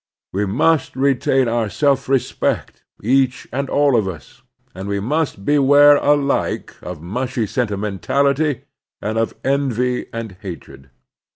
We must retain our self resp^t, each and all of us, and we must be ware alike of mushy sentimentality and of envy and hatred.